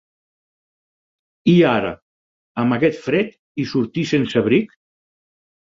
I ara!, amb aquest fred i sortir sense abric?